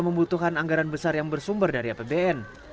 membutuhkan anggaran besar yang bersumber dari apbn